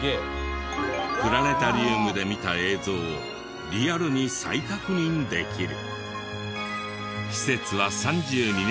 プラネタリウムで見た映像をリアルに再確認できる。